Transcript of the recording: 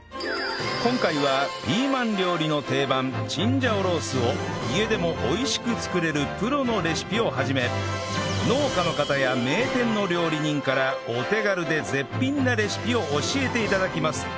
今回はピーマン料理の定番チンジャオロースを家でも美味しく作れるプロのレシピを始め農家の方や名店の料理人からお手軽で絶品なレシピを教えて頂きます